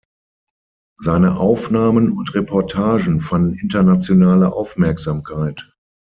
Seine Aufnahmen und Reportagen fanden internationale Aufmerksamkeit.